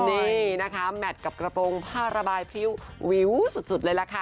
นี่นะคะแมทกับกระโปรงผ้าระบายพริ้ววิวสุดเลยล่ะค่ะ